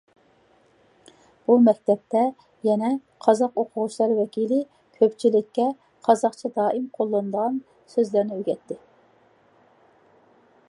بۇ مەكتەپتە يەنە قازاق ئوقۇغۇچىلار ۋەكىلى كۆپچىلىككە قازاقچە دائىم قوللىنىلىدىغان سۆزلەرنى ئۆگەتتى.